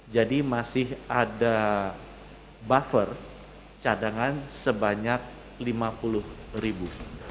jadi masih ada buffer cadangan sebanyak lima puluh ribu